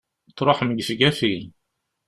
Truḥem gefgafi!